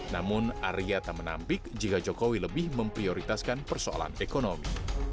namun arya tak menampik jika jokowi lebih memprioritaskan persoalan ekonomi